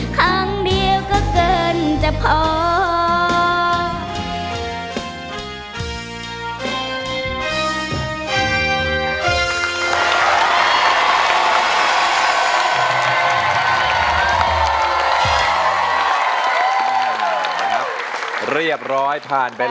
ครั้งเดียวก็เกินจะพอ